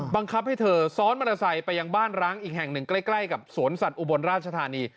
บังคับให้เธอซ้อนมอเตอร์ไซค์ไปยังบ้านร้างอีกแห่งหนึ่งใกล้กับสวนสัตว์อุบลราชธานี